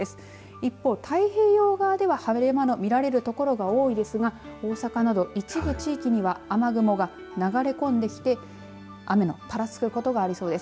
一方、太平洋側では晴れ間の見られる所が多いですが大阪など一部地域には雨雲が流れ込んできて雨のぱらつくことがありそうです。